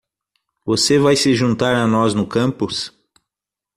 Você vai se juntar a nós no campus?